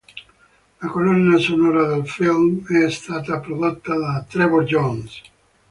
La colonna sonora del film è stata prodotta da Trevor Jones.